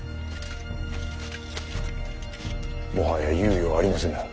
もはや猶予はありませぬ。